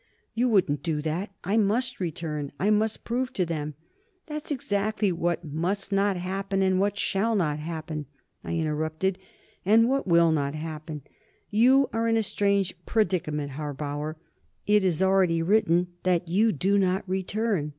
"You wouldn't do that! I must return; I must prove to them " "That's exactly what must not happen, and what shall not happen," I interrupted. "And what will not happen. You are in a strange predicament, Harbauer; it is already written that you do not return.